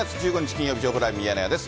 金曜日、情報ライブミヤネ屋です。